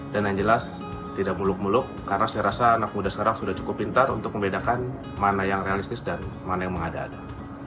dan yang jelas tidak muluk muluk karena saya rasa anak muda sekarang sudah cukup pintar untuk membedakan mana yang realistis dan mana yang mengada ada